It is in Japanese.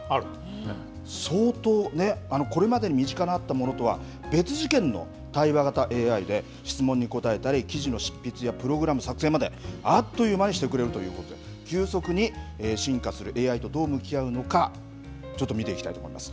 相当ね、これまでに身近にあったものとは別次元の対話型ＡＩで、質問に答えたり、記事の執筆やプログラム作成まで、あっという間にしてくれるということで、急速に進化するＡＩとどう向き合うのか、ちょっと見ていきたいと思います。